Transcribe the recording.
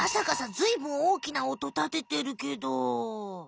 ずいぶんおおきな音立ててるけど。